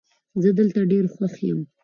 زه دلته ډېر خوښ یم